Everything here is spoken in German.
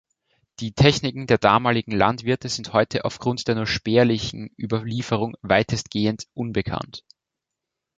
Die Techniken der damaligen Landwirte sind heute aufgrund der nur spärlichen Überlieferung weitestgehend unbekannt.